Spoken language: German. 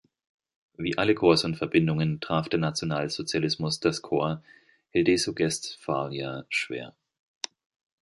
Wie alle Corps und Verbindungen traf der Nationalsozialismus das Corps Hildeso-Guestphalia schwer.